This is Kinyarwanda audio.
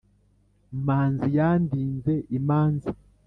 manzi yandinze imanza,